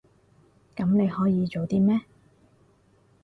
噉你可以做啲咩？